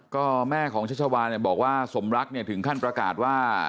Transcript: ก็แม่ของชัชชาวานบอกว่าสมรักถึงขั้นประกาศว่า